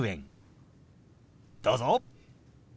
どうぞ。